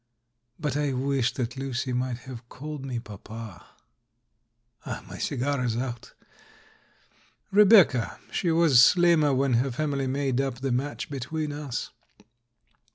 But I wish that Lucy might have called me "Papal" ... My cigar is out. Rebecca: she was slimmer when her family made up the match between us.